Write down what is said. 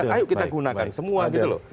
ayo kita gunakan semua gitu loh